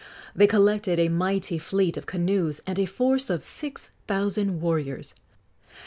They collected a mighty fleet of canoes and a force of six thousand warriors.